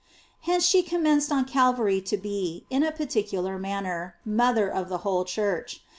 Hence sho commenced on Calvary to be, in a particular manner, mother of the whole Church.